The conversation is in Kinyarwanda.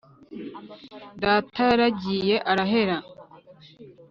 data yaragiye arahera